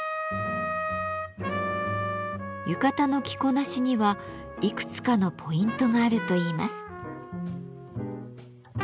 浴衣の着こなしにはいくつかのポイントがあるといいます。